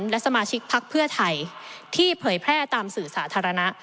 และสมาชิกพักเพื่อไทยที่เผยแพร่ตามสื่อสาธารณะ